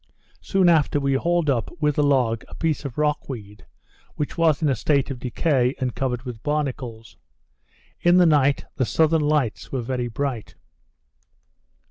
Soon after, we hauled up, with the log, a piece of rock weed, which was in a state of decay, and covered with barnacles. In the night the southern lights were very bright.